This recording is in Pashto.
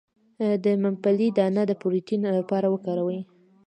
د ممپلی دانه د پروتین لپاره وکاروئ